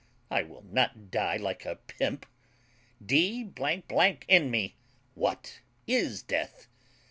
I will not die like a pimp. D n me, what is death?